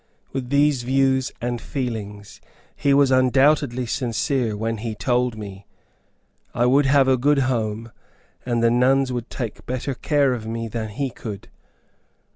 With these views and feelings, he was undoubtedly sincere when he told me, "I would have a good home, and the nuns would take better care of me than he could."